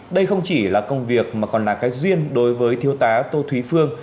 đây không chỉ là công việc mà còn là cái duyên đối với thiếu tá tô thúy phương